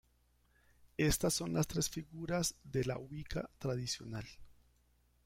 Estas son las tres figuras de la Wicca tradicional.